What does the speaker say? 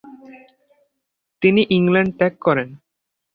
তিনি ইংল্যান্ড ত্যাগ করেন।